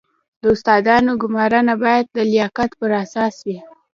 د استادانو ګمارنه باید د لیاقت پر اساس وي